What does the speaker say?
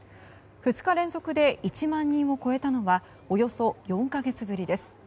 ２日連続で１万人を超えたのはおよそ４か月ぶりです。